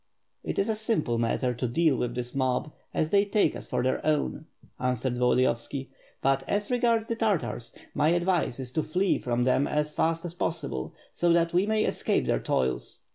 "It is a simple matter to deal with this mob, as they take us for their own." answered Volodiyovski, "but as regards the Tartars, my advice is to flee from them as fast as possible, so that we may escape their toils.